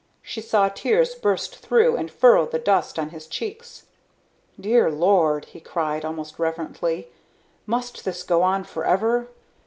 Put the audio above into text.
She saw tears burst through and furrow the dust on his cheeks. "Dear Lord," he cried, almost reverently, "must this go on forever?